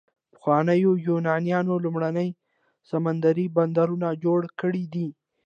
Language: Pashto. پخوانیو یونانیانو لومړني سمندري بندرونه جوړ کړي دي.